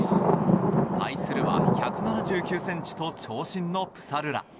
対するは１７９ｃｍと長身のプサルラ。